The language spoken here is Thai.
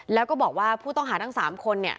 แล้วก็บอกว่าผู้ต้องหาทั้งสามคนเนี่ย